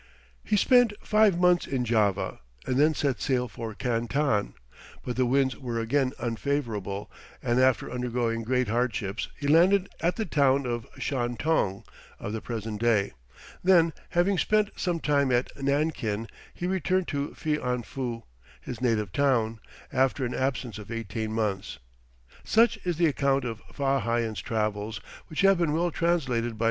He spent five months in Java, and then set sail for Canton; but the winds were again unfavourable, and after undergoing great hardships he landed at the town of Chantoung of the present day; then having spent some time at Nankin he returned to Fi an foo, his native town, after an absence of eighteen months. Such is the account of Fa Hian's travels, which have been well translated by M.